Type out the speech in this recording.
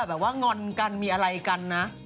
แบบว่างอนกันมีอะไรกันนะ